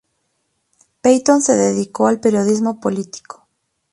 Payton se dedicó al periodismo político.